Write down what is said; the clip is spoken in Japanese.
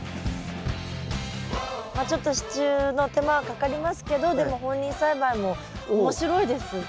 まあちょっと支柱の手間はかかりますけどでも放任栽培も面白いですね。